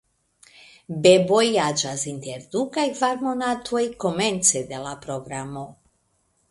Beboj aĝas inter du kaj kvar monatoj komence de la programo.